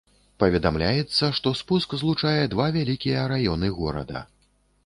Паведамляецца, што спуск злучае два вялікія раёны горада.